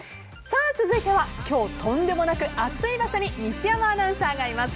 続いては今日とんでもなく熱い場所に西山アナウンサーがいます。